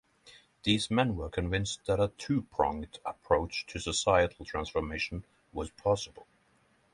These men were convinced that a two-pronged approach to societal transformation was possible.